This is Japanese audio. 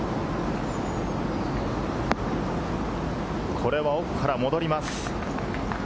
これは奥から戻ります。